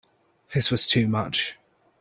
This was too much.